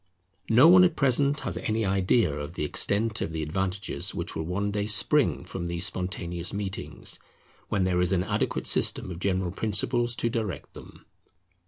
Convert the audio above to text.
No one at present has any idea of the extent of the advantages which will one day spring from these spontaneous meetings, when there is an adequate system of general principles to direct them.